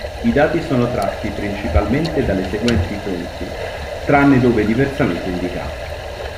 I dati sono tratti principalmente dalle seguenti fonti, tranne dove diversamente indicato.